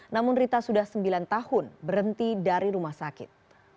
namun rita sudah sembilan tahun berhenti dari rumah sakit